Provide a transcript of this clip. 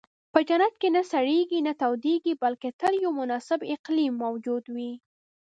په جنت کې نه سړېږي، نه تودېږي، بلکې تل یو مناسب اقلیم موجود وي.